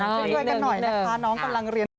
พึ่งด้วยกันหน่อยนะคะน้องกำลังเรียน